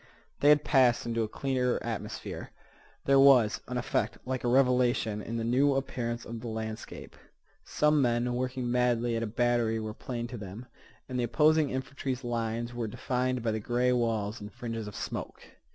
They had passed into a clearer atmosphere. There was an effect like a revelation in the new appearance of the landscape. Some men working madly at a battery were plain to them, and the opposing infantry's lines were defined by the gray walls and fringes of smoke.